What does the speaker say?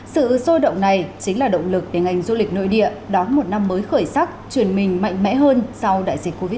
sự sôi động này chính là động lực để ngành du lịch nội địa đón một năm mới khởi sắc chuyển mình mạnh mẽ hơn sau đại dịch covid một mươi chín